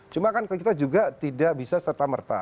cuma kan kita juga tidak bisa serta merta